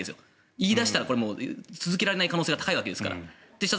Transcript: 言い出したら続けられない可能性が高いから。